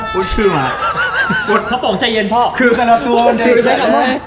เพราะปล่องใจเย็นเพราะ